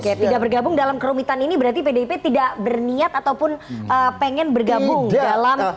oke tidak bergabung dalam kerumitan ini berarti pdip tidak berniat ataupun pengen bergabung dalam